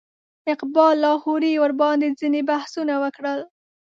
اقبال لاهوري ورباندې ځینې بحثونه وکړل.